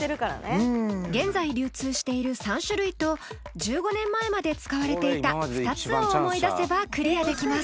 現在流通している３種類と１５年前まで使われていた２つを思い出せばクリアできます